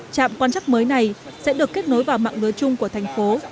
trạm quan chắc mới này sẽ được kết nối vào mạng lưới chung của thành phố